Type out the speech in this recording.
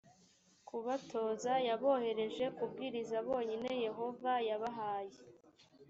kubatoza yabohereje kubwiriza bonyine yehova yabahaye